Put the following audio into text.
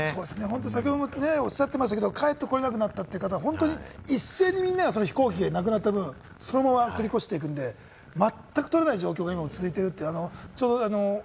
先ほどもおっしゃってましたけれども、帰って来られなくなった人、一斉にみんながその飛行機がなくなった分、そのまま繰り越していくんで、まったく取れない状況が今も続いていると。